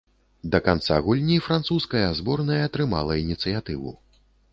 Да канца гульні французская зборная трымала інцыятыву.